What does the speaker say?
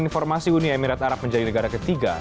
informasi uni emirat arab menjadi negara ketiga